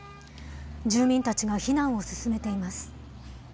住民たちが避難を進めています。